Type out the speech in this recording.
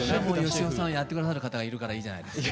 芳雄さんやって下さる方がいるからいいじゃないですか。